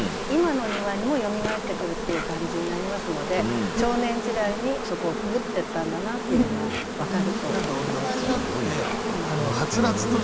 今の庭にもよみがえってくるっていう感じになりますので少年時代にそこをくぐってったんだなっていうのが分かると思います。